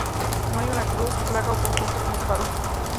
No hay una cruz, placa o conjunto ""con espadas"".